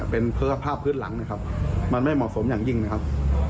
เป็นสภาพพื้นหลังนะครับมันไม่เหมาะสมอย่างยิ่งนะครับ